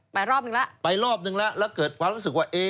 รอบนึงแล้วไปรอบนึงแล้วแล้วเกิดความรู้สึกว่าเอ๊